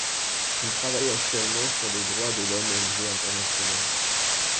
Il travaille actuellement sur les droits de l'homme au niveau international.